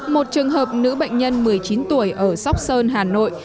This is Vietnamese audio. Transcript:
một trường hợp nữ bệnh nhân một mươi chín tuổi ở sóc sơn hà nội